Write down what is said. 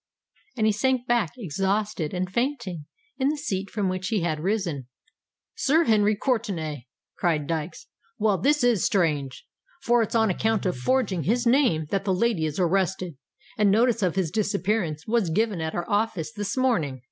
And he sank back, exhausted and fainting, in the seat from which he had risen. "Sir Henry Courtenay!" cried Dykes. "Well—this is strange; for it's on account of forging his name that the lady is arrested—and notice of his disappearance was given at our office this morning."